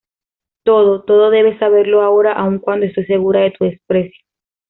todo, todo debes saberlo ahora, aun cuando estoy segura de tu desprecio...